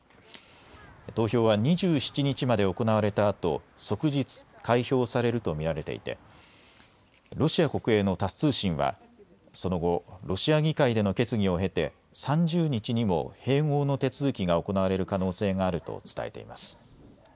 投票は２７日まで行われたあと即日、開票されると見られていてロシア国営のタス通信はその後、ロシア議会での決議を経て３０日にも併合の手続きが行われる可能性があると伝えています。